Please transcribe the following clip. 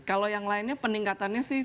kalau yang lainnya peningkatannya sih